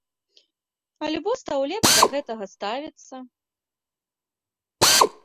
Альбо стаў лепш да гэтага ставіцца.